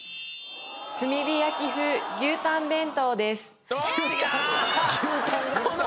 炭火焼風牛たん弁当です。え！